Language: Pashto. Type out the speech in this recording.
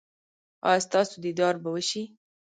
ایا ستاسو دیدار به وشي؟